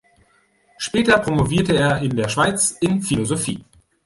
Später promovierte er in der Schweiz in Philosophie.